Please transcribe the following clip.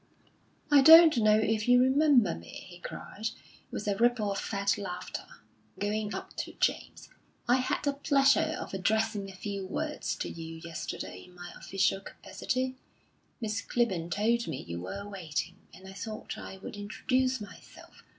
"I don't know if you remember me," he cried, with a ripple of fat laughter, going up to James, "I had the pleasure of addressing a few words to you yesterday in my official capacity. Miss Clibborn told me you were waiting, and I thought I would introduce myself.